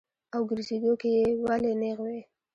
او ګرځېدو کښې ئې ولي نېغ وي -